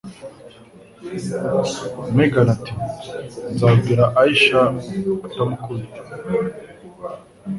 Megan ati: "Nzabwira Aisha kutamukubita."